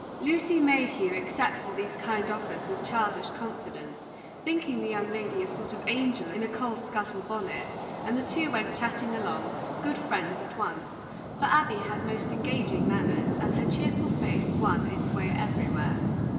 Lucy Mayhew accepted these kind offers with childish confidence, thinking the young lady a sort of angel in a coal scuttle bonnet, and the two went chatting along, good friends at once; for Abby had most engaging manners, and her cheerful face won its way everywhere.